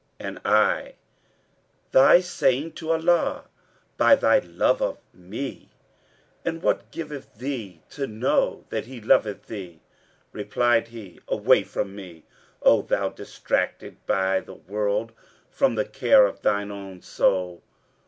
and I, 'Thy saying to Allah, 'By Thy love of me;' and what giveth thee to know that He loveth thee?' Replied he, 'Away from me, O thou distracted by the world from the care of thine own soul.